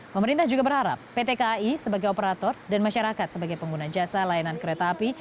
pemerintah juga berharap pt kai sebagai operator dan masyarakat sebagai pengguna jasa layanan kereta api